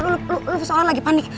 lu lu lu lu seolah lagi panik